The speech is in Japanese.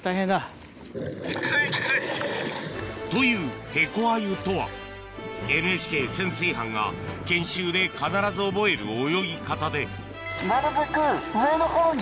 というヘコアユとはＮＨＫ潜水班が研修で必ず覚える泳ぎ方でなるべく上の方に。